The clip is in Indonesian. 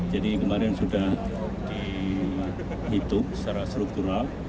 jadi kemarin sudah dihitung secara struktural